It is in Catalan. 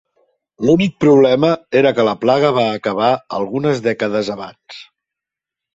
L'únic problema era que la plaga va acabar algunes dècades abans.